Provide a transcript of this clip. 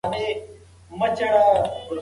ایا ته په کمپیوټر پوهېږې؟